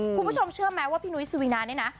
คุณผู้ชมเชื่อไหมว่าพี่นุ้ยสุวีนาเนี่ยนะ